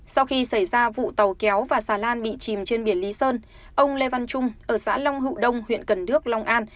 sau khi xảy ra vụ tàu kéo và xà lan bị chìm trên biển lý sơn ông lê văn trung ở xã long hữu đông huyện cần đước long an